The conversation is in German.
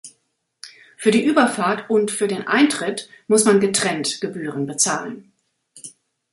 Für die Überfahrt und für den Eintritt muss man getrennt Gebühren bezahlen.